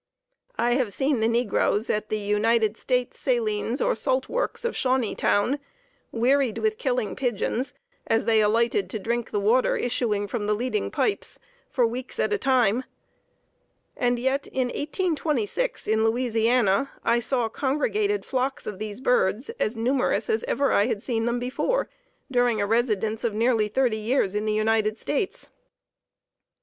I have seen the negroes at the United States' Salines or Saltworks of Shawnee Town, wearied with killing pigeons, as they alighted to drink the water issuing from the leading pipes, for weeks at a time; and yet in 1826, in Louisiana, I saw congregated flocks of these birds as numerous as ever I had seen them before, during a residence of nearly thirty years in the United States.